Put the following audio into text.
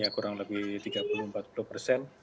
kurang lebih tiga puluh empat puluh persen